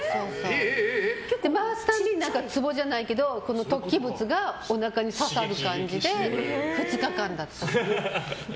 回すたびに、ツボじゃないけど突起物がおなかに当たる感じで２日間だった。